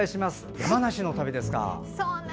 山梨の旅ですか。